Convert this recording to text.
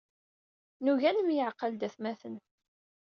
Nugi ad nemyaɛqal d atmaten.